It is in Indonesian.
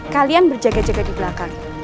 kalian berjaga jaga di belakang